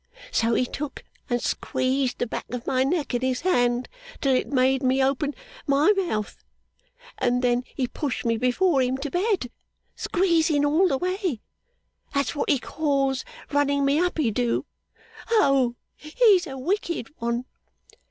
So he took and squeezed the back of my neck in his hand, till it made me open my mouth, and then he pushed me before him to bed, squeezing all the way. That's what he calls running me up, he do. Oh, he's a wicked one!